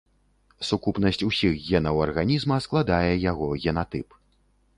Сукупнасць усіх генаў арганізма складае яго генатып.